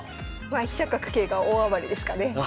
「飛車角桂が大あばれ！」ですかね。